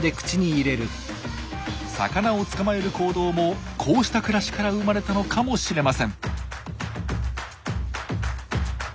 魚を捕まえる行動もこうした暮らしから生まれたのかもしれません。